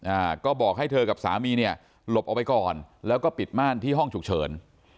อ่าก็บอกให้เธอกับสามีเนี่ยหลบออกไปก่อนแล้วก็ปิดม่านที่ห้องฉุกเฉิน